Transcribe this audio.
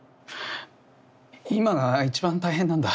今が一番大変なんだ。